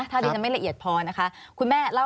ถ้าดินฉันไม่ละเอียดพอนะคะ